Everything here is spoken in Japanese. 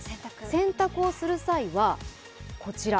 洗濯する際は、こちら。